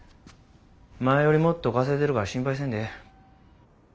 前よりもっと稼いでるから心配せんでええ。